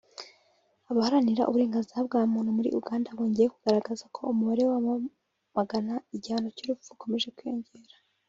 Abaharanira uburengenzira bwa muntu muri Uganda bongeye kugaragaza ko umubare w’abamagana igihano cy’urupfu ukomeje kwiyongera